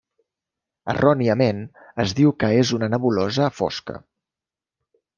Erròniament es diu que és una nebulosa fosca.